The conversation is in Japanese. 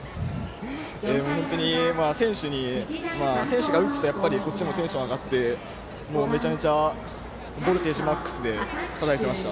本当に選手が打つとこっちもテンション上がってめちゃめちゃボルテージマックスでたたいていました。